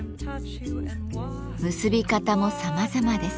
結び方もさまざまです。